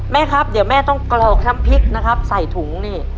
แม่ครับเดี๋ยวแม่ต้องกรอกน้ำพริกนะครับใส่ถุงนี่